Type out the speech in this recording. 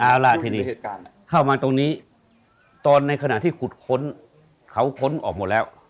เอาล่ะทีนี้เข้ามาตรงนี้ตอนในขณะที่ขุดค้นเขาค้นออกหมดแล้ว